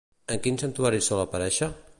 En quins santuaris sol aparèixer?